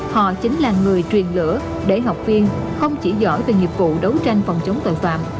họ chính là người truyền lửa để học viên không chỉ giỏi về nghiệp vụ đấu tranh phòng chống tội phạm